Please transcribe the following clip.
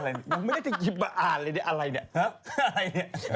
อะไรนี่ยังไม่ได้ที่มาอ่านเลยอะไรนี่